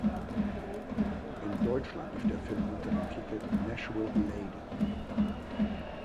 In Deutschland lief der Film unter dem Titel "Nashville Lady".